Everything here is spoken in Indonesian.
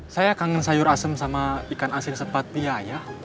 saya kangen sayur asem sama ikan asin sepat biaya